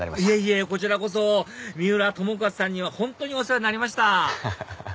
いえいえこちらこそ三浦友和さんには本当にお世話になりました